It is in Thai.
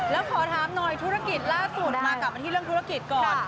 แล้วขอถามหน่อยธุรกิจล่าสุดมากลับมาที่เรื่องธุรกิจก่อน